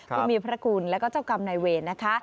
ผู้มีพระคุณแล้วก็เจ้ากรรมนายเวรนะคะ